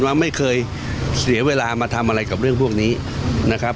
ว่าไม่เคยเสียเวลามาทำอะไรกับเรื่องพวกนี้นะครับ